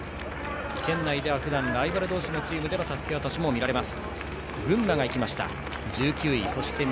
県内ではふだん、ライバル同士のチームでのたすき渡しも見られます。